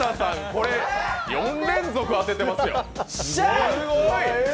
これ、４連続当ててますよ。